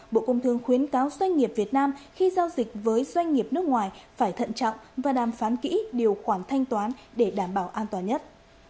bộ công thương khuyến cáo doanh nghiệp việt nam khi giao dịch với doanh nghiệp nước ngoài phải thận trọng và đàm phán kỹ điều khoản thanh toán để đảm bảo an toàn nhất